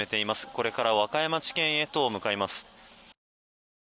これから和歌山地検へと向かいます。